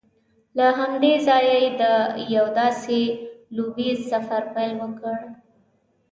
له همدې ځایه یې د یوه داسې لوبیز سفر پیل وکړ